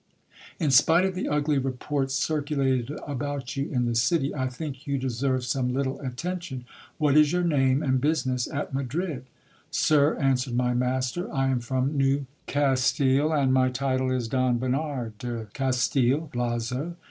In spite of the ugly reports circulated about you in the city, I think you deserve some little attention. What is your name, and business at Madrid ? Sir, answered my master, I am from New Castile, and my title is Don Bernard de Castil Blazo.